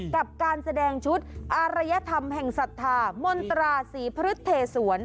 กับการแสดงชุดอารยธรรมแห่งศรัทธามนตราศรีพฤษเทสวน